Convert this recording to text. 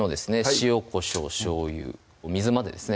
塩・こしょう・しょうゆ・お水までですね